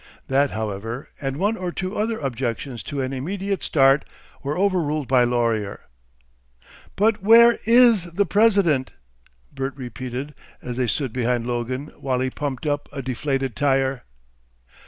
That, however, and one or two other objections to an immediate start were overruled by Laurier. "But where IS the President?" Bert repeated as they stood behind Logan while he pumped up a deflated tyre.